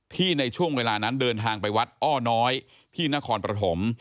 ในช่วงเวลานั้นเดินทางไปวัดอ้อน้อยที่นครปฐม